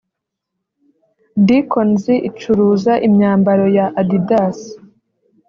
Dickons icuruza imyambaro ya Addidas